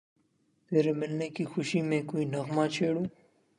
تیرے ملنے کی خوشی میں کوئی نغمہ چھیڑوں